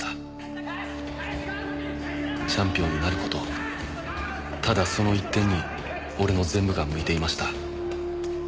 「チャンピオンになることただその一点に俺の全部が向いていました」